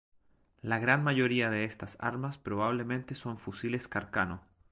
La gran mayoría de estas armas probablemente son fusiles Carcano.